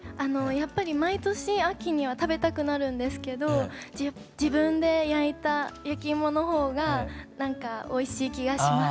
やっぱり毎年秋には食べたくなるんですけど自分で焼いた焼き芋の方が何かおいしい気がします。